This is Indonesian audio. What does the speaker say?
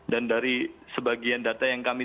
dan dari sebagian data yang kami